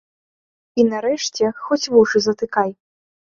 І нарэшце хоць вушы затыкай.